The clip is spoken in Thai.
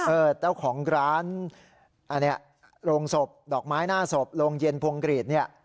เออเจ้าของร้านโรงศพดอกไม้หน้าศพโรงเย็นพวงกรีด